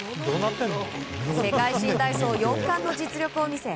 世界新体操４冠の実力を見せ